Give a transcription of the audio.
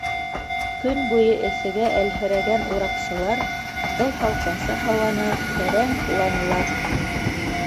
Көн буйы эҫегә әлһерәгән ураҡсылар был һалҡынса һауаны тәрән һуланылар.